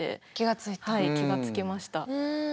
はい気が付きました。